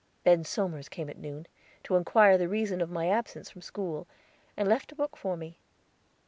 Ben Somers called at noon, to inquire the reason of my absence from school, and left a book for me.